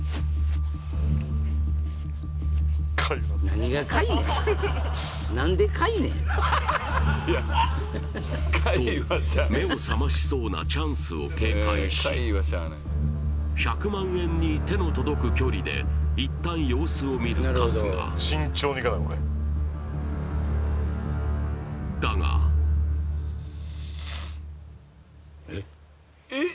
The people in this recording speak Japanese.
何がかいいねん何でかいいねんと目を覚ましそうなチャンスを警戒し１００万円に手の届く距離でいったん様子を見る春日だがえっえっ